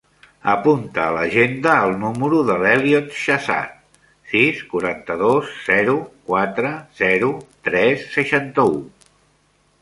Apunta a l'agenda el número de l'Elliot Shahzad: sis, quaranta-dos, zero, quatre, zero, tres, seixanta-u.